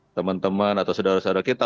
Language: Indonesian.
teman teman atau saudara saudara kita